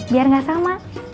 biar gak sama